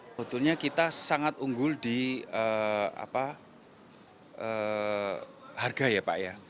sebetulnya kita sangat unggul di harga ya pak ya